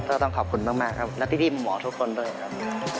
ต้องขอบคุณมากครับและพี่หมอทุกคนด้วยครับ